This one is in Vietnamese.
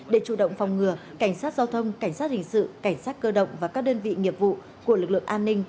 để chủ động phòng ngừa cảnh sát giao thông cảnh sát hình sự cảnh sát cơ động và các đơn vị nghiệp vụ của lực lượng an ninh